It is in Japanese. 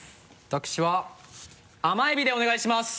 私は甘えびでお願いします！